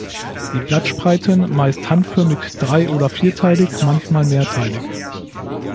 Die Blattspreiten meist handförmig drei- oder vierteilig, manchmal mehrteilig.